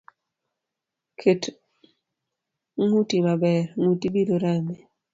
Ket nguti maber ,nguti biro Rami.